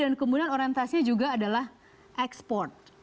dan kemudian orientasinya juga adalah ekspor